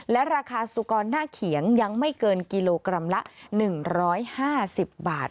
และราคาสุกรหน้าเขียงยังไม่เกินกิโลกรัมละ๑๕๐บาท